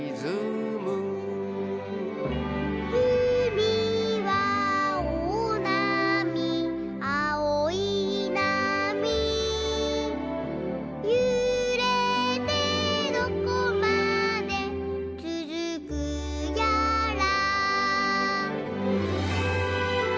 「うみはおおなみあおいなみ」「ゆれてどこまでつづくやら」